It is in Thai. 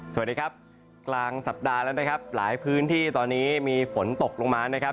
สวัสดีครับกลางสัปดาห์แล้วนะครับหลายพื้นที่ตอนนี้มีฝนตกลงมานะครับ